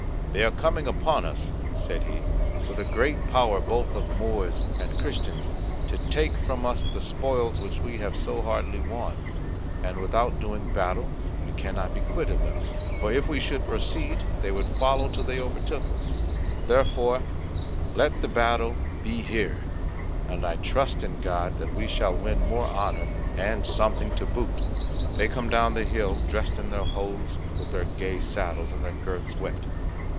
"They are coming upon us," said he, "with a great power both of Moors and Christians, to take from us the spoils which we have so hardly won, and without doing battle we cannot be quit of them; for if we should proceed they would follow till they overtook us: therefore let the battle be here, and I trust in God that we shall win more honour, and something to boot. They come down the hill, drest in their hose, with their gay saddles, and their girths wet.